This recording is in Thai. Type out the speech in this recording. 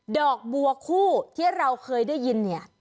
ดอกบัวคู่ที่เราเคยได้ยินเนี่ย